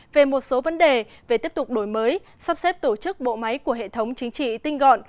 về một số vấn đề về tiếp tục đổi mới sắp xếp tổ chức bộ máy của hệ thống chính trị tinh gọn